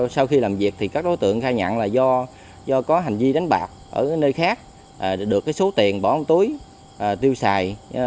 sau khi làm việc thì các đối tượng khai nhận là do có hành vi đánh bạc ở nơi khác được số tiền bỏ túi tiêu xài